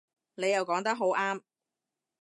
你又講得好啱